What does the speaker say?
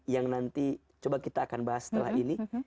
yang nanti coba kita akan bahas setelah ini